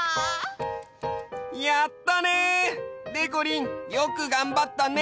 やったね！でこりんよくがんばったね。